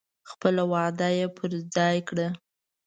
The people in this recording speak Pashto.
خپله وعده یې پر ځای کړه.